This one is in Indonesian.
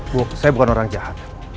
bahwa saya bukan orang jahat